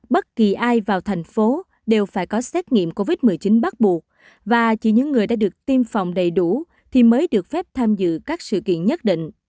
bất kỳ ai vào thành phố đều phải có xét nghiệm covid một mươi chín bắt buộc và chỉ những người đã được tiêm phòng đầy đủ thì mới được phép tham dự các sự kiện nhất định